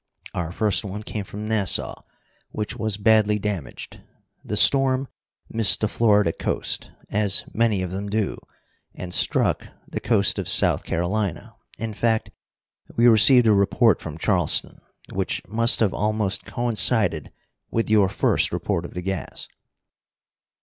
Our first one came from Nassau, which was badly damaged. The storm missed the Florida coast, as many of them do, and struck the coast of South Carolina in fact, we received a report from Charleston, which must have almost coincided with your first report of the gas."